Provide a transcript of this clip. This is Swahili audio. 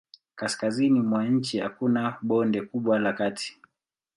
Kaskazini mwa nchi hakuna bonde kubwa la kati.